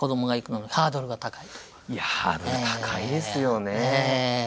本当にハードル高いですよね。